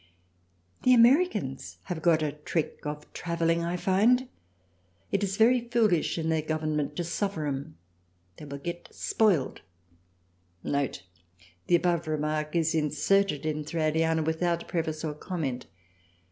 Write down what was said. The Americans have got a Trick of travelling I find, it is very foolish in their Government to THRALIANA 45 suffer 'em. They will get spoiled. [The above remark is inserted in Thraliana without preface or comment.